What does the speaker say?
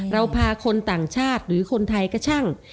เราพาคนต่างชาติหรือคนไทยก็ช่าง